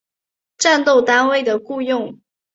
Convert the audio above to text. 战斗单位的雇用。